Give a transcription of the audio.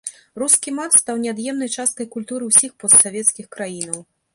Рускі мат стаў неад'емнай часткай культуры ўсіх постсавецкіх краінаў.